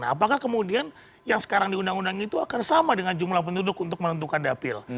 nah apakah kemudian yang sekarang di undang undang itu akan sama dengan jumlah penduduk untuk menentukan dapil